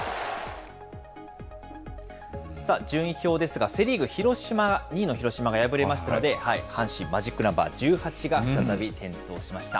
順位表ですが、セ・リーグ、２位の広島が敗れましたので、阪神、マジックナンバー１８が再び点灯しました。